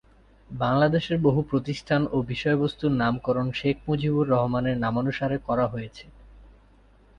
বাংলাদেশের বহু প্রতিষ্ঠান ও বিষয়বস্তুর নামকরণ শেখ মুজিবুর রহমানের নামানুসারে করা হয়েছে।